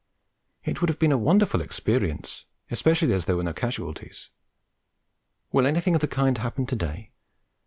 It would have been a wonderful experience, especially as there were no casualties. Will anything of the kind happen to day?